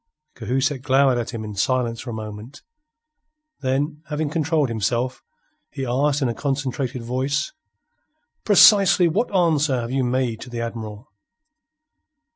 Cahusac glowered at him in silence for a moment. Then, having controlled himself, he asked in a concentrated voice: "Precisely what answer have you make to the Admiral?"